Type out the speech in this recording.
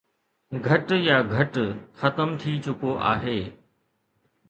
گهٽ يا گهٽ ختم ٿي چڪو آهي